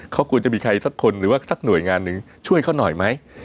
เขาควรจะมีใครสักคนหรือว่าสักหน่วยงานหนึ่งช่วยเขาหน่อยไหม